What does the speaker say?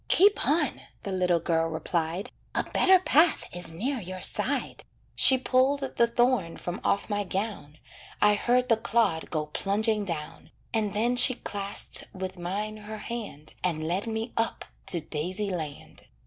"Keep on," the little girl replied, "A better path is near your side." She pulled the thorn from off my gown, I heard the clod go plunging down, And then she clasped with mine her hand, And led me up to "daisy land."